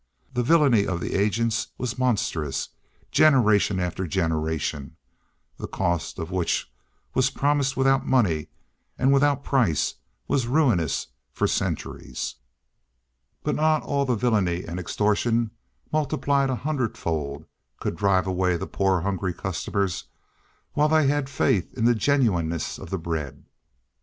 The villainy of the agents was monstrous, generation after generation, the cost of that which was promised without money and without price was ruinous for centuries; but not all the villainy and extortion multiplied a hundredfold could drive away the poor hungry customers while they had faith in the genuineness of the bread.